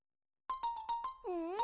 うん？